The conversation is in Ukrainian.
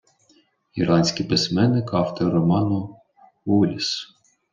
Ірландський письменник, автор роману «Улісс».